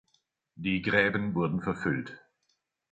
Die Gräben wurden verfüllt.